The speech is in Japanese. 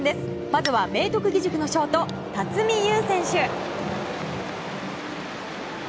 まずは明徳義塾のショート辰己遊選手。